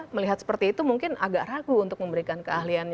melihat seperti itu mungkin agak ragu untuk memberikan keahliannya